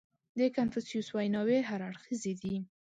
• د کنفوسیوس ویناوې هر اړخیزې دي.